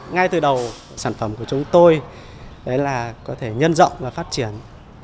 ngay từ đầu sản phẩm của chúng tôi có thể nhân rộng và phát triển